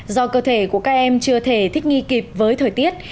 do cơ thể của các em chưa thể thích nghi kịp với thời tiết